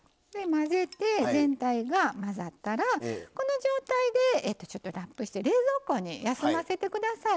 全体が混ざったらこの状態でちょっとラップをして冷蔵庫に休ませてください。